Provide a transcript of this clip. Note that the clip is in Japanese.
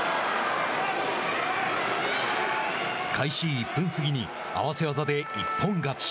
開始１分過ぎに合わせ技で一本勝ち。